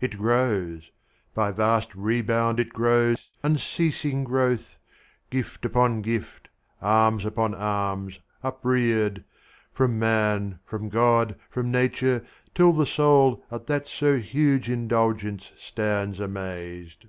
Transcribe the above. It grows— By vast rebound it grows, unceasing growth; Gift upon gift, alms upon alms, upreared, From man, from God, from nature, till the soul At that so huge indulgence stands amazed.